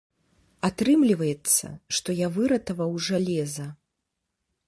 Атрымліваецца, што я выратаваў жалеза.